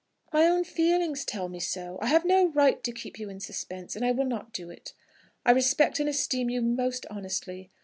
"My own feelings tell me so. I have no right to keep you in suspense, and I will not do it. I respect and esteem you most honestly.